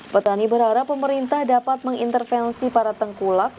petani berharap pemerintah dapat mengintervensi para tengkulak